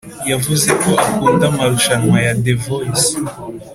yavuze ko akunda amarushanwa ya the voice